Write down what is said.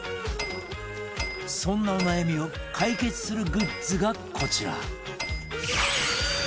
そんなお悩みを解決するグッズがこちら